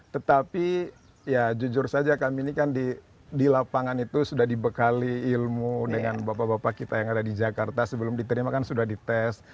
tetapi ya jujur saja kami ini kan di lapangan itu sudah dibekali ilmu dengan bapak bapak kita yang ada di jakarta sebelum diterima kan sudah dites